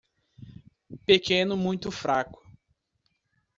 Pequeno muito fraco